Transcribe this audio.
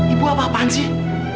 ibu apa apaan sih